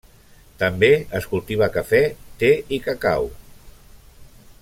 També es cultiva cafè, te i cacau.